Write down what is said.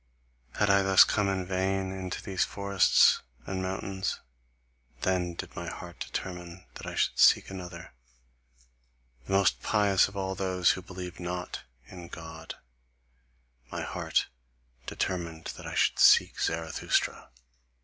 Had I thus come in vain into these forests and mountains? Then did my heart determine that I should seek another, the most pious of all those who believe not in God , my heart determined that I should seek Zarathustra!"